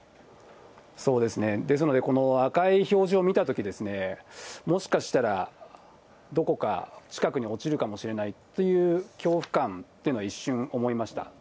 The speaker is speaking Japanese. ですので、この赤い表示を見たとき、もしかしたら、どこか近くに落ちるかもしれないという恐怖感っていうのは一瞬思いました。